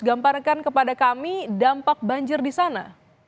gambarkan kepada kami dampak banjir di sana